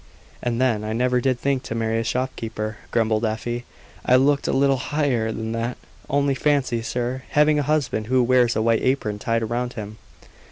"And then, I never did think to marry a shopkeeper," grumbled Afy; "I looked a little higher than that. Only fancy, sir, having a husband who wears a white apron tied round him!"